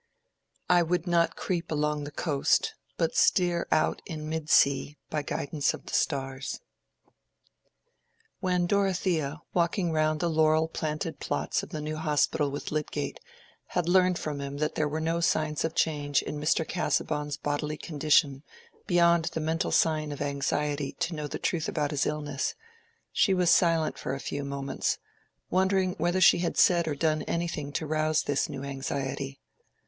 I would not creep along the coast but steer Out in mid sea, by guidance of the stars. When Dorothea, walking round the laurel planted plots of the New Hospital with Lydgate, had learned from him that there were no signs of change in Mr. Casaubon's bodily condition beyond the mental sign of anxiety to know the truth about his illness, she was silent for a few moments, wondering whether she had said or done anything to rouse this new anxiety.